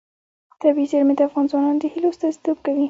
طبیعي زیرمې د افغان ځوانانو د هیلو استازیتوب کوي.